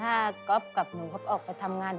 ถ้าก๊อฟกับหนูเขาออกไปทำงาน